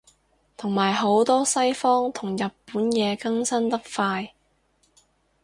同埋好多西方同日本嘢更新得快